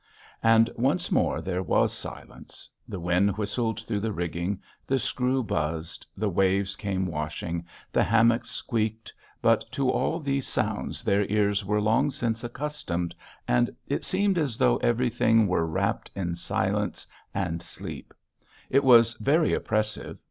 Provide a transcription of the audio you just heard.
And once more there was silence.... The wind whistled through the rigging, the screw buzzed, the waves came washing, the hammocks squeaked, but to all these sounds their ears were long since accustomed and it seemed as though everything were wrapped in sleep and silence. It was very oppressive.